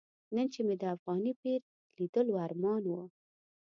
نن چې مې د افغاني پیر لیدلو ارمان و.